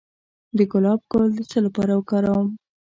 د ګلاب ګل د څه لپاره وکاروم؟